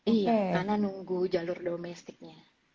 iya karena nunggu jalur domestiknya